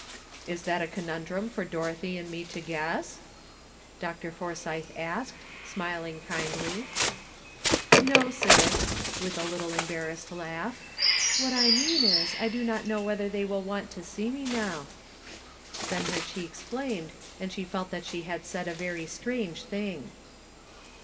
"Is that a conundrum for Dorothy and me to guess ?" Dr. Forsythe asked, smiling kindly. • "No, sir,*' with a little embarrassed laugh; " what I mean is, I do not know whether thej^ will want to see me now." Then her cheeks flamed, and she felt that she had said a very strange thing.